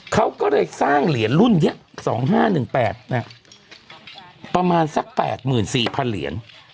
เขาก็เลยสร้างเหรียญรุ่นนี้๒๕๑๘ประมาณสัก๘๔๐๐เหรียญ